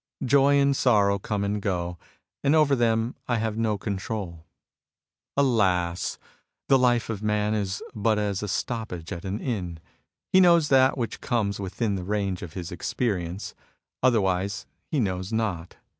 Joy and sorrow come and go, and over them I have no control. Alas ! the life of man is but as a stoppage at an inn. He knows that which comes within the range of his experience. Otherwise, he knows not.